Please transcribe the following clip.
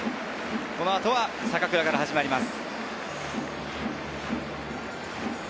この後は坂倉から始まります。